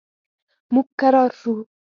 موږ کرار شو.